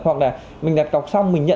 hoặc là mình đặt cọc xong mình nhận